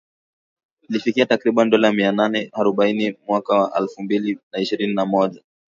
lilifikia takriban dola mia nane harobaini mwaka wa elfu mbili na ishirini na moja